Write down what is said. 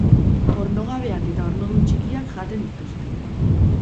Ornogabeak eta ornodun txikiak jaten dituzte.